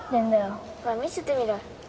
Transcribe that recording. ほら見せてみろ。